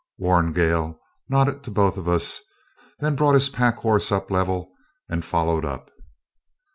Warrigal nodded to both of us, then brought his pack horse up level, and followed up.